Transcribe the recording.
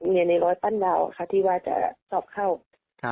ในร้อยปั้นดาวค่ะที่ว่าจะสอบเข้า